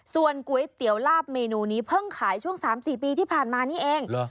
ส่วนก๋วยเตี๋ยวลาบเมนูนี้เพิ่งขายช่วง๓๔ปีที่ผ่านมานี่เอง